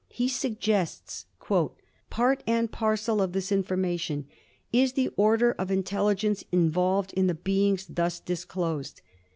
He suggests : 'Tart and parcel of this information is the order of in telligence involved in the beings thus disclosed.